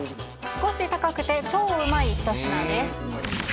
少し高くて超うまい一品です